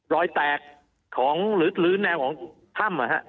รอยแตกของหรือแนวของถ้ำ